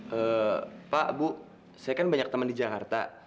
eh pak bu saya kan banyak teman di jakarta